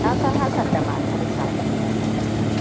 Na san Hassan da matarsa.